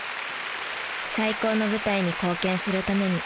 最高の舞台に貢献するために。